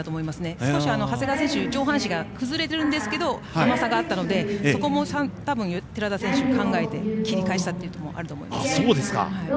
少し長谷川選手上半身が崩れるんですが甘さがあったのでそこも寺田選手は考えて切り返したと思いますね。